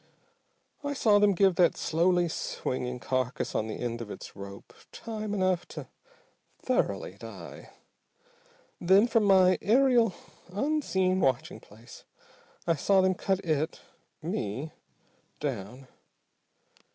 "I saw them give that slowly swinging carcass on the end of its rope time enough to thoroughly die, then, from my aerial, unseen watching place, I saw them cut it me down.